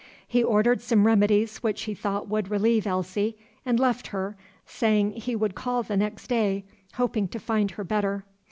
He ordered some remedies which he thought would relieve Elsie, and left her, saying he would call the next day, hoping to find her better.